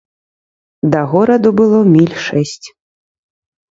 Да гораду было міль шэсць.